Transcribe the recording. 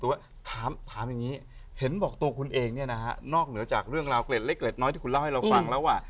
แต่ว่าถามอย่างนี้เห็นบอกตัวคุณเองเนี่ยนะฮะนอกเหนือจากเรื่องราวเกล็ดเล็กเกร็ดน้อยที่คุณเล่าให้เราฟังแล้วว่า